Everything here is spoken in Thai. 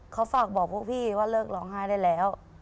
เขาฝากบอกพวกพี่ว่าเลิกร้องไห้ได้แล้ว